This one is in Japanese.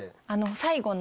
最後の。